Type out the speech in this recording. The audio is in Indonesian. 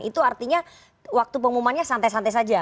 itu artinya waktu pengumumannya santai santai saja